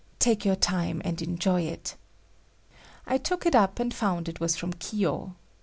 Take your time and enjoy it." I took it up and found it was from Kiyo.